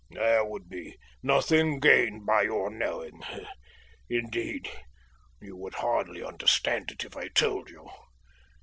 "There would be nothing gained by your knowing. Indeed, you would hardly understand it if I told you.